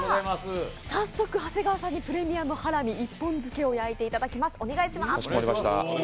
早速、長谷川さんにプレミアムハラミ１本漬けを焼いていただきます。